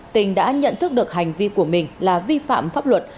tình đã nhận thức được hành vi của mình là vi phạm pháp luật